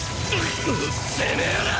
てめぇら！！